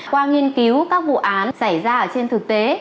qua nghiên cứu các vụ án xảy ra ở trên thực tế